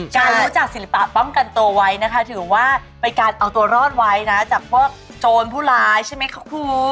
รู้จักศิลปะป้องกันตัวไว้นะคะถือว่าเป็นการเอาตัวรอดไว้นะจากพวกโจรผู้ร้ายใช่ไหมคะครู